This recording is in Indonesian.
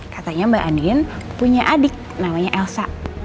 katanya mbak andin punya adik namanya elsa